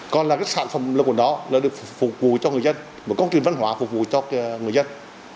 còn là cái sản phẩm của nó là được phục vụ cho người dân một công trình văn hóa phục vụ cho người dân